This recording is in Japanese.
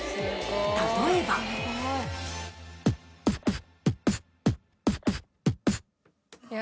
例えば。いや